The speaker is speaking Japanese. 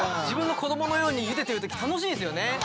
自分の子どものようにゆでてる時楽しいんすよね。